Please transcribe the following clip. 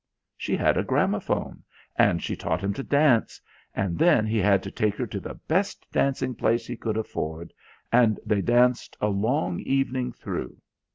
She had a gramophone and she taught him to dance, and then he had to take her to the best dancing place he could afford and they danced a long evening through.